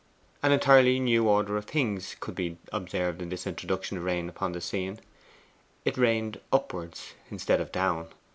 An entirely new order of things could be observed in this introduction of rain upon the scene. It rained upwards instead of down.